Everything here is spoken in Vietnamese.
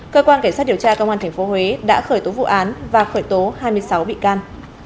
cơ quan cảnh sát điều tra công an tp huế đã khởi tố vụ án và khởi tố hai mươi sáu bị can